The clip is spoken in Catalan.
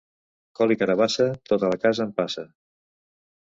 Col i carabassa, tota la casa en passa.